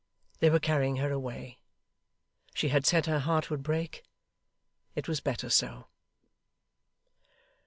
They were carrying her away. She had said her heart would break. It was better so.